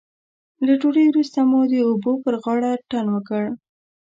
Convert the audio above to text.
له ډوډۍ وروسته مو د اوبو پر غاړه اتڼ وکړ.